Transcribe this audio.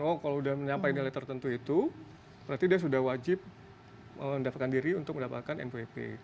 oh kalau sudah menyampaikan nilai tertentu itu berarti dia sudah wajib mendapatkan diri untuk mendapatkan npwp